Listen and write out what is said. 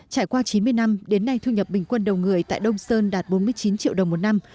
trải qua chín mươi năm đến nay thu nhập bình quân đầu người tại đông sơn đạt bốn mươi chín triệu đồng một năm